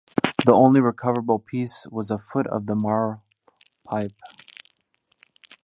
The only recoverable piece was a foot of marled pipe.